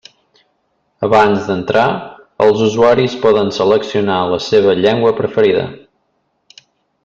Abans d'entrar, els usuaris poden seleccionar la seva llengua preferida.